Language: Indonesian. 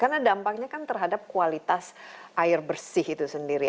karena dampaknya kan terhadap kualitas air bersih itu sendiri